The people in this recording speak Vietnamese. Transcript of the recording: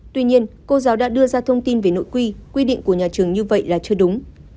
tuy nhiên cô giáo đã đưa ra thông tin về nội quy quy định của nhà trường như vậy là chưa đúng